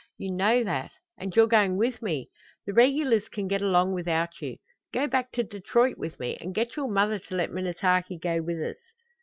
You know that. And you're going with me. The regulars can get along without you. Go back to Detroit with me and get your mother to let Minnetaki go with us."